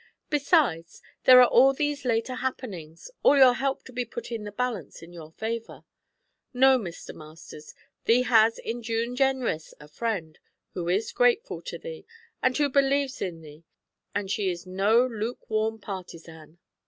Besides, there are all these later happenings, all your help to be put in the balance in your favour. No, Mr. Masters, thee has in June Jenrys a friend, who is grateful to thee, and who believes in thee, and she is no lukewarm partisan.'